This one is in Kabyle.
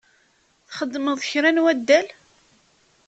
Txeddmeḍ kra n waddal?